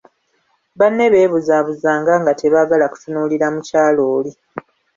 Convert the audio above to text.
Banne beebuzabuzanga nga tebaagala kutunuulira mukyala oli.